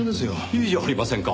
いいじゃありませんか。